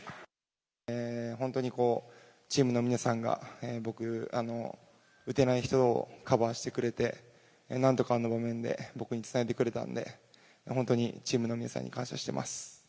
本当にこう、チームの皆さんが僕、打てない人をカバーしてくれて、なんとか僕につなげてくれたんで、本当にチームの皆さんに感謝してます。